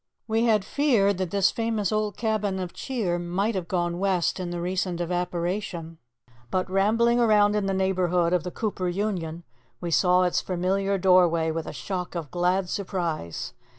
We had feared that this famous old cabin of cheer might have gone west in the recent evaporation; but rambling round in the neighbourhood of the Cooper Union we saw its familiar doorway with a shock of glad surprise.